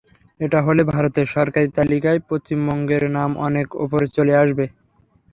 এটা হলে ভারতের সরকারি তালিকায় পশ্চিমবঙ্গের নাম অনেক ওপরে চলে আসবে।